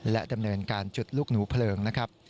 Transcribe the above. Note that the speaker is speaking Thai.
และดำเนินการจุดลูกหนูเผลิง